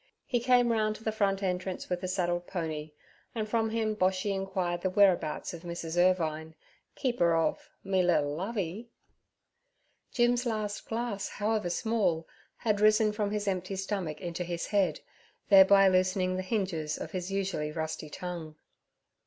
He came round to the front entrance with the saddled pony, and from him Boshy inquired the whereabouts of Mrs. Irvine, keeper of 'me liddle Lovey.' Jim's last glass, however small, had risen from his empty stomach into his head, thereby loosening the hinges of his usually rusty tongue.